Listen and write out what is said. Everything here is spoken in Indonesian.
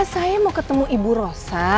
saya mau ketemu ibu rosa